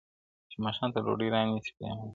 • چي ماښام ته ډوډۍ رانیسي پرېمانه -